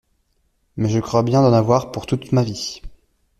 Mais je crains bien d'en avoir pour toute ma vie.